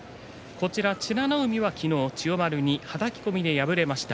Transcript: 美ノ海は昨日、千代丸にはたき込みで敗れました。